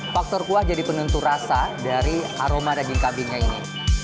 faktor kuah jadi penentu rasa dari aroma daging kambingnya ini